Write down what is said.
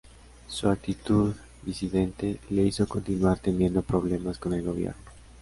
Su actitud disidente le hizo continuar teniendo problemas con el gobierno.